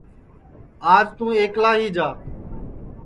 آج توں ایکلا ہی جا